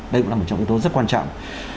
đây cũng là một trong yếu tố rất quan trọng